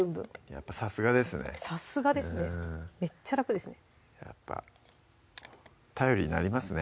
やっぱさすがですねさすがですねめっちゃ楽ですねやっぱ頼りになりますね